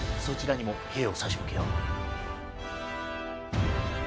そちらにも兵を差し向けよう。